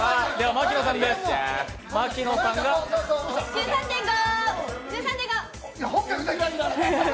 １３．５。